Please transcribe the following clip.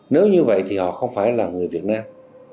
nếu như vậy thì họ không phải là người việt nam